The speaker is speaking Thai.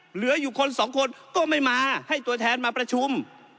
เหลืออยู่คนสองคนก็ไม่มาให้ตัวแทนมาประชุม